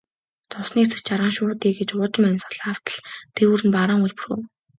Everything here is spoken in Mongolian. Зовсны эцэст жаргана шүү дээ гээд уужим амьсгаа автал дээгүүр нь бараан үүл бүрхэв.